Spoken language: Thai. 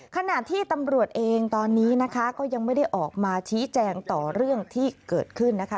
ขณะที่ตำรวจเองตอนนี้นะคะก็ยังไม่ได้ออกมาชี้แจงต่อเรื่องที่เกิดขึ้นนะคะ